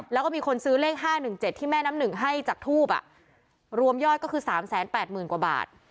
แล้วก็มีคนซื้อเลข๕๑๗ที่แม่น้ำหนึ่งให้จากทูปรวมยอดก็คือ๓๘๐๐๐กว่าบาท